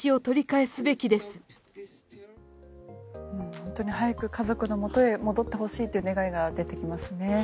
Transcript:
本当に早く家族の元へ戻ってほしいという願いが出てきますね。